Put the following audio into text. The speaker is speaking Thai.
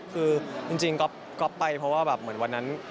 คือจริงก๊อฟไปเพราะว่าแบบเหมือนวันนั้น